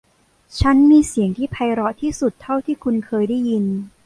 ฉันมีเสียงที่ไพเราะที่สุดเท่าที่คุณเคยได้ยิน